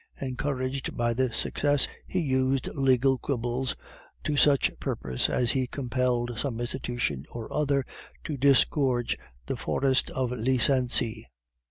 Encouraged by this success, he used legal quibbles to such purpose that he compelled some institution or other to disgorge the Forest of Liceney.